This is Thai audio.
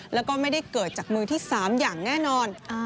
แล้วก็ไม่ได้เกิดจากมือที่๓อย่างแน่นอน